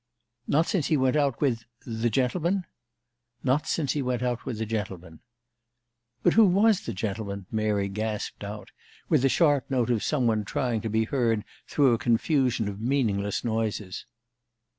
"Not since he went out with the gentleman?" "Not since he went out with the gentleman." "But who was the gentleman?" Mary gasped out, with the sharp note of some one trying to be heard through a confusion of meaningless noises.